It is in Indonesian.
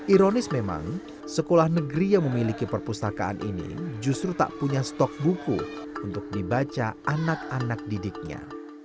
ironis memang sekolah negeri yang memiliki perpustakaan ini justru tak punya stok buku untuk dibaca anak anak didiknya